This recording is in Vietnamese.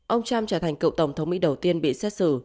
ông trump trở thành cựu tổng thống mỹ đầu tiên bị xét xử